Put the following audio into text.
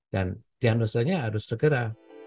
dan tianusannya harus segera